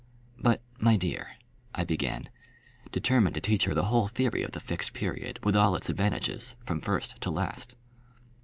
"But, my dear," I began, determined to teach her the whole theory of the Fixed Period with all its advantages from first to last.